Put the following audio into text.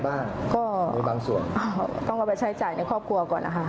บ้างก็มีบางส่วนต้องเอาไปใช้จ่ายในครอบครัวก่อนนะคะ